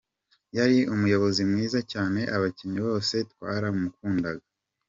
Yari umuyobozi mwiza cyane abakinnyi bose twaramukundaga.